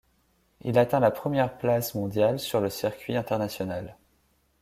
Il atteint la première place mondiale sur le circuit international.